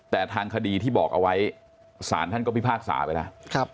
แต่ทางคดีที่บอกเอาไว้ศาลท่านก็พิพากษาไปแล้ว